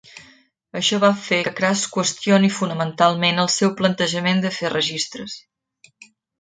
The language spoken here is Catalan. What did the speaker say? Això va fer que Crass qüestioni fonamentalment el seu plantejament de fer registres.